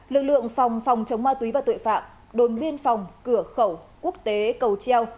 lực lượng phòng phòng chống ma túy và tội phạm đồn biên phòng cửa khẩu quốc tế cầu treo